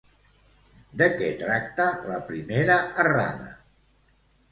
De què tracta la primera errada?